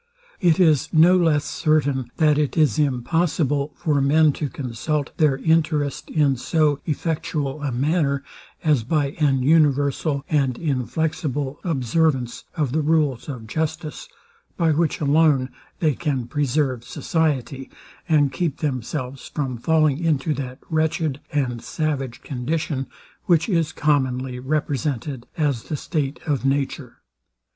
It is no less certain, that it is impossible for men to consult, their interest in so effectual a manner, as by an universal and inflexible observance of the rules of justice, by which alone they can preserve society, and keep themselves from falling into that wretched and savage condition, which is commonly represented as the state of nature.